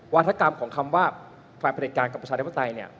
วัฒนากรรมของคำว่าฝ่ายในกรุงประเทศการกับประชาธิปไตย